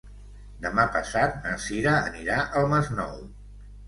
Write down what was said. Demà passat na Sira anirà al Masnou.